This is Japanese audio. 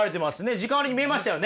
時間割に見えましたよね。